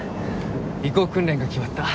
移行訓練が決まった。